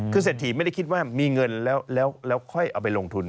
คือเศรษฐีไม่ได้คิดว่ามีเงินแล้วค่อยเอาไปลงทุน